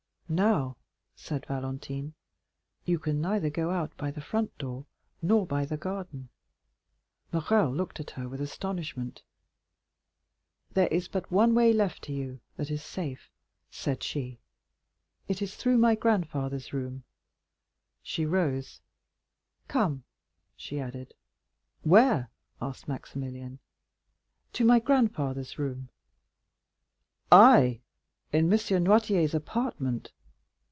"Now," said Valentine, "you can neither go out by the front door nor by the garden." Morrel looked at her with astonishment. "There is but one way left you that is safe," said she; "it is through my grandfather's room." She rose. "Come," she added. "Where?" asked Maximilian. "To my grandfather's room." "I in M. Noirtier's apartment?"